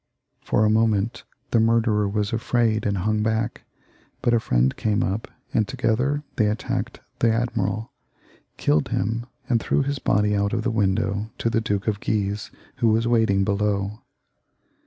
For a moment the murderer was afraid and hung back; but a friend came up, and together they attacked the admiral, killed him, and threw his body out of the window to the Duke of Guise, who was waiting below.